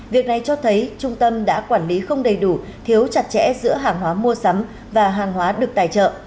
việc này cho thấy trung tâm đã quản lý không đầy đủ thiếu chặt chẽ giữa hàng hóa mua sắm và hàng hóa được tài trợ